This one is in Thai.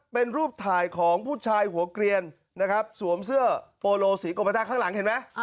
เป็นรูปถ่ายของผู้ชายหัวเกลียนนะครับสวมเสื้อโปโลสีกรมต้าข้างหลังเห็นไหม